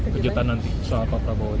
kejutan nanti soal pak prabowo